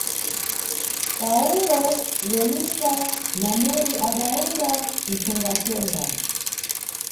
Pawulo, Lolita na Meri adayenda kunchengaxenga.